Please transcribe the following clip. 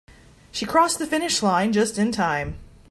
She crossed the finish line just in time.